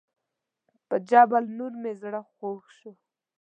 پر جبل النور مې زړه خوږ شو.